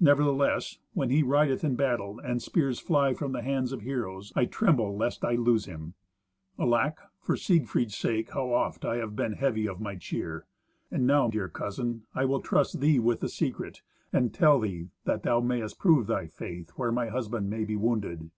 Nevertheless, when he rideth in battle, and spears fly from the hands of heroes, I tremble lest I lose him. Alack! for Siegfried's sake how oft have I been heavy of my cheer! And now, dear cousin, I will trust thee with the secret, and tell thee, that thou mayst prove thy faith, where my husband may be wounded.